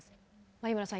眉村さん